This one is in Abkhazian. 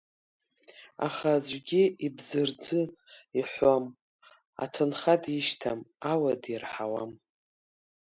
Аха, аӡәгьы ибзырӡы иҳәом, аҭынха дишьҭам, ауа дирҳауам.